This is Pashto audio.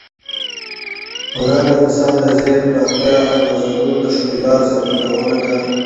هنر د انسان د ذهن پراختیا او د نظرونو د ښکلا څرګندونه ده.